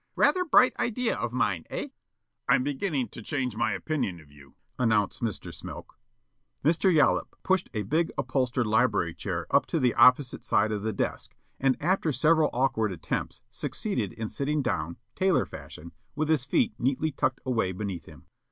Rather bright idea of mine, eh?" "I'm beginnin' to change my opinion of you," announced Mr. Smilk. Mr. Yollop pushed a big unholstered library chair up to the opposite side of the desk and, after several awkward attempts, succeeded in sitting down, tailor fashion, with his feet neatly tucked away beneath him.